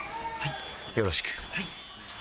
よろしく。